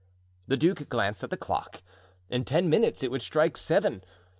The duke glanced at the clock. In ten minutes it would strike seven.